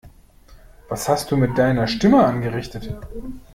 Was hast du mit deiner Stimme angerichtet?